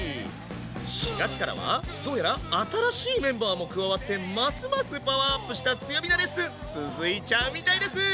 ４月からはどうやら新しいメンバーも加わってますますパワーアップした強火なレッスン続いちゃうみたいです！